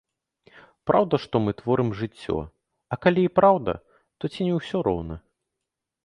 Праўда, што мы творым жыццё, але калі і праўда, то ці не ўсё роўна?